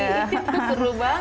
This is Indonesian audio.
itu perlu banget